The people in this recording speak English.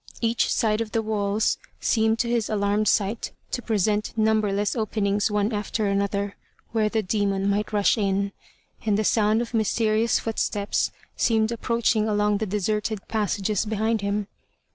Each side of the walls seemed to his alarmed sight to present numberless openings one after another (where the demon might rush in), and the sound of mysterious footsteps seemed approaching along the deserted passages behind them.